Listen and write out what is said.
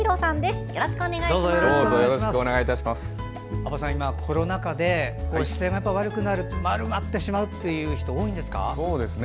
安保さん、今、コロナ禍で姿勢が悪くなる、背中が丸まってしまうという人多いんですか？